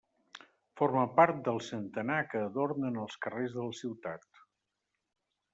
Forma part del centenar que adornen els carrers de la ciutat.